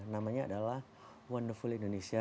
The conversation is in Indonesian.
namanya adalah wonderful indonesia